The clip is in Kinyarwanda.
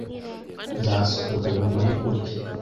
Nzasohoka nyuma yo kurya.